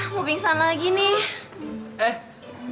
eh lo jangan pingsan lagi dong bentar lagi mau masuk kelas nih